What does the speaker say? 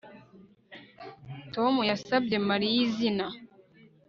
Tom yasabye Mariya izina